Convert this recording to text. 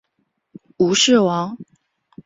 吴氏亡。